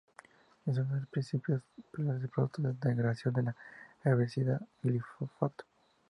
Es uno de los principales productos de degradación del herbicida glifosato.